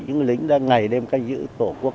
những người lính đang ngày đêm canh giữ tổ quốc